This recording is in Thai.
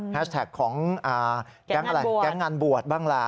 แฮชแท็กของแก๊งงานบวชบ้างล่ะ